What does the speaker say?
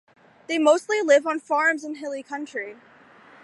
They mostly live on farms in hilly country.